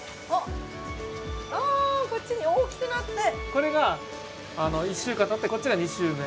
これが１週間たってこっちが２週目。